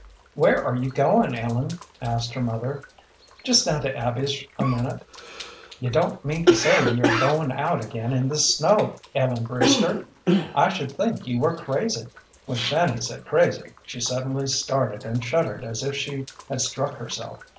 "Where are you going, Ellen?" asked her mother. "Just down to Abby's a minute." "You don't mean to say your are goin' out again in this snow, Ellen Brewster? I should think you were crazy." When Fanny said crazy, she suddenly started and shuddered as if she had struck herself.